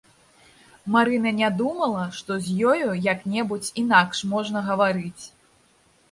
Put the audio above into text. Марына не думала, што з ёю як-небудзь інакш можна гаварыць.